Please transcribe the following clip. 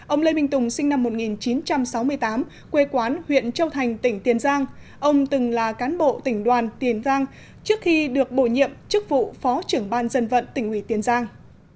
ông lê minh tùng sinh năm một nghìn chín trăm sáu mươi tám quê quán huyện châu thành tỉnh tiền giang ông từng là cán bộ tỉnh đoàn tiền giang trước khi được bổ nhiệm chức vụ phó trưởng ban dân vận tỉnh ủy tiền giang